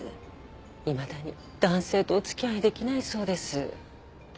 いまだに男性とお付き合いできないそうです。